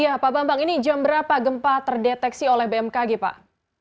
iya pak bambang ini jam berapa gempa terdeteksi oleh bmkg pak